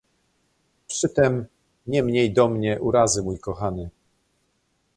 "Przytem nie mniej do mnie urazy mój kochany."